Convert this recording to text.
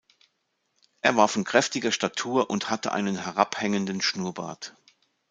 Er war von kräftiger Statur und hatte einen herabhängenden Schnurrbart.